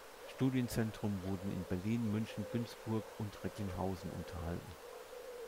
Studienzentren wurden in Berlin, München, Günzburg und Recklinghausen unterhalten.